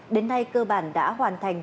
đến nay cơ bản đã hoàn thành